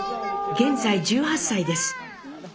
現在１８歳です。